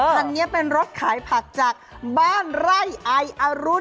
คันนี้เป็นรถขายผักจากบ้านไร่ไออรุณ